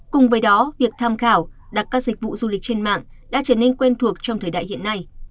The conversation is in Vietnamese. cùng với đó việc tham khảo đặt các dịch vụ du lịch trên mạng đã trở nên quen thuộc trong thời đại hiện nay